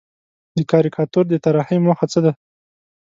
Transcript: د کاریکاتور د طراحۍ موخه څه ده؟